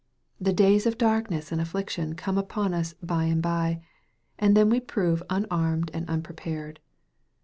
The days of darkness and affliction come upon us by and bye, and then we prove unarmed and unprepared.